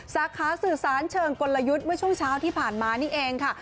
สาขาสื่อสารเชิงกลยุทธ์เมื่อช่วงเช้าที่ผ่านมานี่เองค่ะ